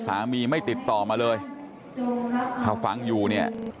ไม่ติดต่อมาเลยถ้าฟังอยู่เนี่ย